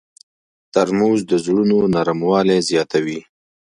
ترموز د زړونو نرموالی زیاتوي.